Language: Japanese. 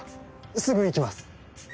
すぐ行きます